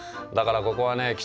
だからここはね